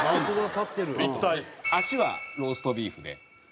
足はローストビーフで。